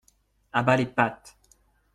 À bas les pattes !